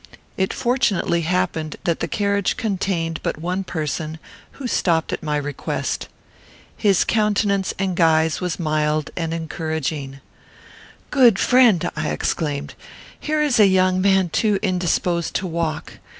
It fortunately happened that the carriage contained but one person, who stopped at my request. His countenance and guise was mild and encouraging. "Good friend," I exclaimed, "here is a young man too indisposed to walk.